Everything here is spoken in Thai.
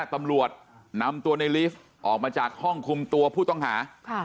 ตำรวจนำตัวในลีฟออกมาจากห้องคุมตัวผู้ต้องหา